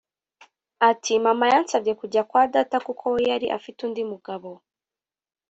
Ati “Mama yansabye kujya kwa Data kuko we yari afite undi mugabo